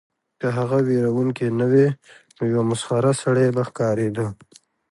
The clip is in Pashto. که هغه ویرونکی نه وای نو یو مسخره سړی به ښکاریده